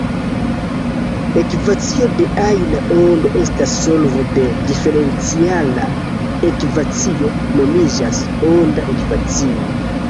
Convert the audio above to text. Ekvacio de ajna ondo estas solvo de diferenciala ekvacio, nomiĝas "«onda ekvacio»".